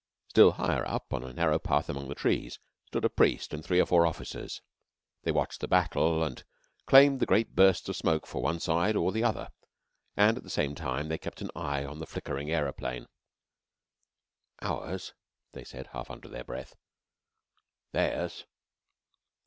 Still higher up, on a narrow path among the trees, stood a priest and three or four officers. They watched the battle and claimed the great bursts of smoke for one side or the other, at the same time as they kept an eye on the flickering aeroplane. "Ours," they said, half under their breath. "Theirs."